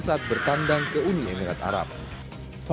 tapi pemain memahami apa yang harus dilakukan